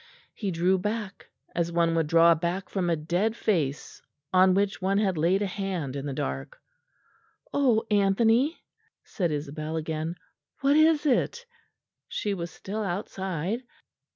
He drew back, as one would draw back from a dead face on which one had laid a hand in the dark. "Oh, Anthony!" said Isabel again, "what is it?" She was still outside.